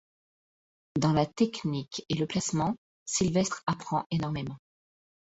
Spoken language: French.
Dans la technique et le placement, Sylvestre apprend énormément.